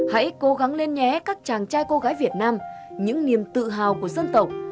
hãy cố gắng lên nhé các chàng trai cô gái việt nam những niềm tự hào của dân tộc